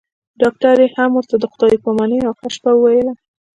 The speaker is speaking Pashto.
ډاکټر هم ورته خدای په امان او ښه شپه وويله.